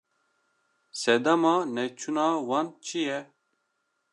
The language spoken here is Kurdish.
Sedema neçûna wan çi ye?